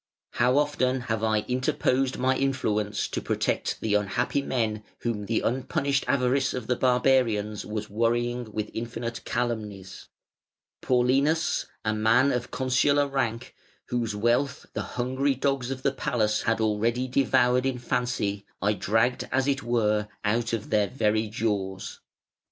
How often have I interposed my influence to protect the unhappy men whom the unpunished avarice of the barbarians was worrying with infinite calumnies! Paulinus, a man of consular rank, whose wealth the hungry dogs of the palace had already devoured in fancy, I dragged as it were out of their very jaws".